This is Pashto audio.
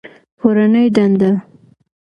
کورنۍ دنده